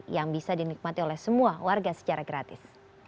yang bisa dinikmati oleh semua warga secara gratis